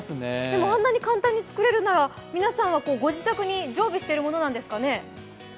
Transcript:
でもあんなに簡単に作れるなら皆さんはご自宅に常備してるものなんですかね？